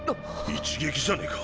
一撃じゃねぇか。